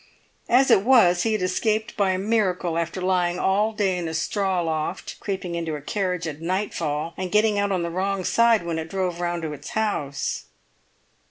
As it was he had escaped by a miracle, after lying all day in a straw loft, creeping into a carriage at nightfall, and getting out on the wrong side when it drove round to its house.